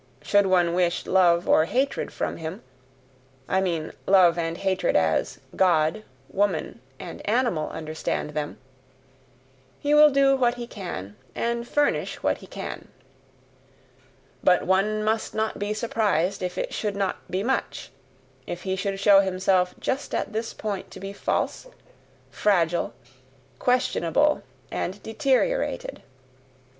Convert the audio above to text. Should one wish love or hatred from him I mean love and hatred as God, woman, and animal understand them he will do what he can, and furnish what he can. But one must not be surprised if it should not be much if he should show himself just at this point to be false, fragile, questionable, and deteriorated.